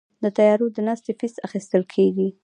د طیارو د ناستې فیس اخیستل کیږي؟